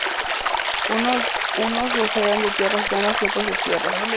Unos lo eran de tierras llanas y otros de sierras.